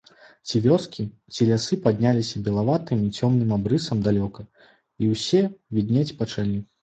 Ці вёскі, ці лясы падняліся белаватым і цёмным абрысам далёка, і ўсе віднець пачалі.